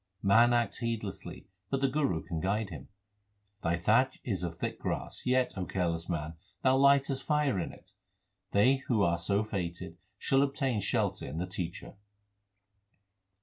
Man acts heedlessly, but the Guru can guide him : Thy thatch is of thick grass, yet, O careless man, thou lightest fire in it. They who are so fated, shall obtain shelter in the teacher.